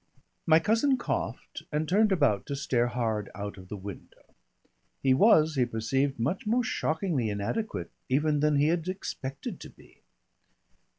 My cousin coughed and turned about to stare hard out of the window. He was, he perceived, much more shockingly inadequate even than he had expected to be.